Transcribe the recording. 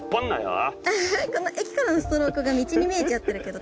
この駅からのストロークが道に見えちゃってるけど。